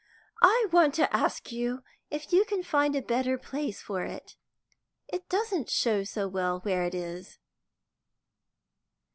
I want to ask you if you can find a better place for it. It doesn't show so well where it is."